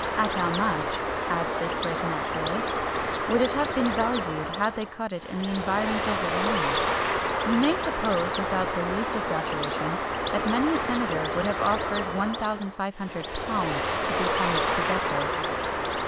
[XXI 53] "At how much," adds this great naturalist, "would it have been valued had they caught it in the environs of Rome!" We may suppose, without the least exaggeration, that many a senator would have offered £1,500 to become its possessor.